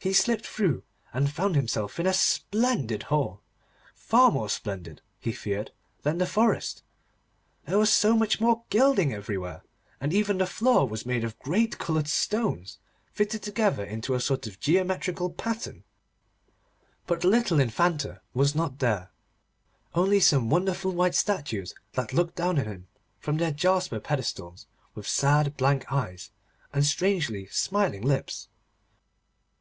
He slipped through, and found himself in a splendid hall, far more splendid, he feared, than the forest, there was so much more gilding everywhere, and even the floor was made of great coloured stones, fitted together into a sort of geometrical pattern. But the little Infanta was not there, only some wonderful white statues that looked down on him from their jasper pedestals, with sad blank eyes and strangely smiling lips.